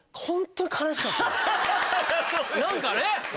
何かね。